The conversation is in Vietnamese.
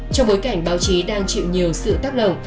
trong bối cảnh báo chí đang chịu nhiều sự tắc lồng